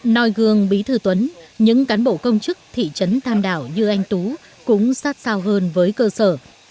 nói gương bí thư tuấn những cán bộ công chức thị trấn tham đảo như anh tú cũng sát sao hơn với cơ sở